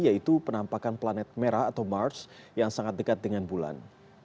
yaitu penampakan planet merah atau mars yang sangat dekat dengan bulan